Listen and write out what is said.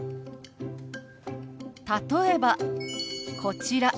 例えばこちら。